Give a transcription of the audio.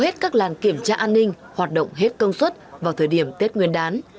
tết các làn kiểm tra an ninh hoạt động hết công suất vào thời điểm tết nguyên đán